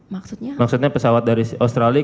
maksudnya pesawat dari australia